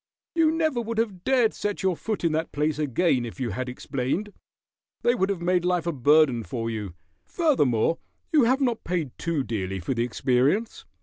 "You never would have dared set your foot in that place again if you had explained. They would have made life a burden to you. Furthermore, you have not paid too dearly for the experience.